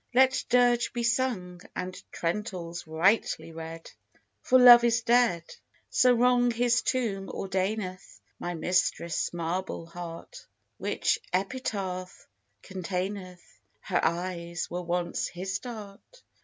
Let dirge be sung, and trentals rightly read, For Love is dead; Sir Wrong his tomb ordaineth My mistress' marble heart; Which epitaph containeth, Her eyes were once his dart.